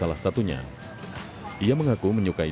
itu yang digemari